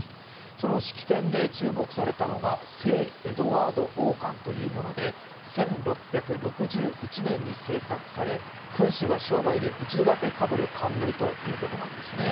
その式典で注目されたのか、聖エドワード王冠というもので、１６６１年に製作され君主が生涯で一度だけかぶる冠ということなんですね。